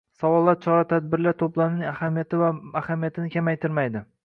Savollar chora -tadbirlar to'plamining ahamiyati va ahamiyatini kamaytirmaydi